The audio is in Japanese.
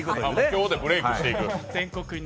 今日でブレークしていく。